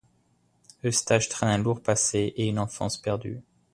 Eustache traîne un lourd passé et une enfance perdue.